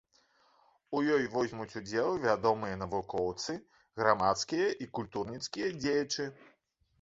У ёй возьмуць удзел вядомыя навукоўцы, грамадскія і культурніцкія дзеячы.